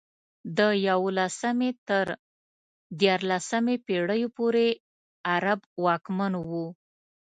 د یولسمې تر دیارلسمې پېړیو پورې عرب واکمن وو.